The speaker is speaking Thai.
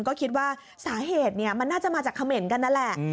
ก็คิดว่าสาเหตุมันน่าจะมาจากเขม่นกันนั่นแหละ